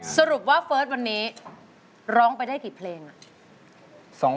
สรุปว่าเฟิร์สวันนี้ร้องไปได้กี่เพลงอ่ะ